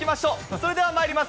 それではまいります。